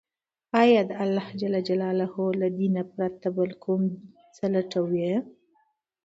آيا د الله له دين پرته كوم بل څه لټوي،